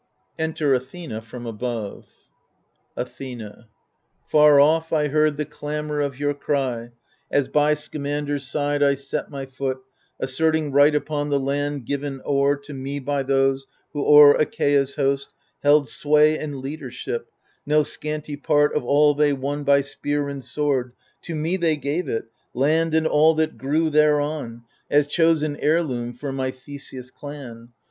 [Enter Athena from above, Athena Far off I heard the clamour of your cry, As by Scamander's side I set my foot Asserting right upon the land given o'er To me by those who o'er Achaia's host Held sway and leadership : no scanty part Of all they won by spear and sword, to me They gave it, land and all that grew thereon, As chosen heirloom for my Theseus' clan.